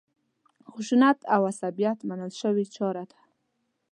خشونت او عصبیت منل شوې چاره ده.